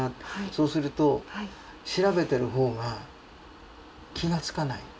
そうすると調べてる方が気が付かない。